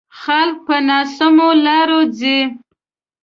خلک په ناسمو لارو ځي.